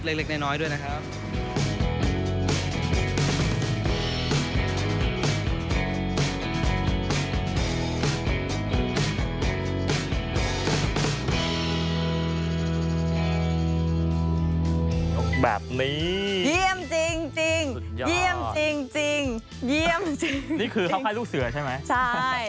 นี่คือคับให้ลูกเศรือที่นี่อาชีพ